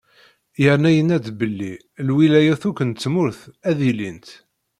Yerna yenna-d belli: “Lwilayat akk n tmurt, ad ilint."